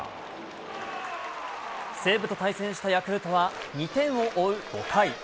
西武と対戦したヤクルトは、２点を追う５回。